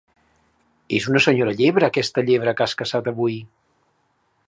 És una senyora llebre, aquesta llebre que has caçat avui!